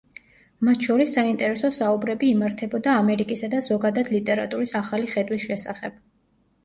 მათ შორის საინტერესო საუბრები იმართებოდა ამერიკისა და ზოგადად ლიტერატურის „ახალი ხედვის“ შესახებ.